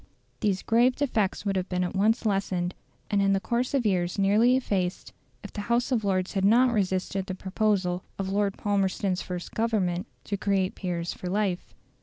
These grave defects would have been at once lessened, and in the course of years nearly effaced, if the House of Lords had not resisted the proposal of Lord Palmerston's first Government to create peers for life.